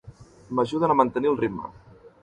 M'ajuden a mantenir el ritme.